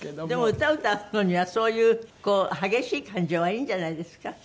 でも歌歌うのにはそういう激しい感情はいいんじゃないですか？